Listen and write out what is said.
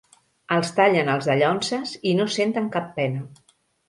Els tallen els dallonses i no senten cap pena.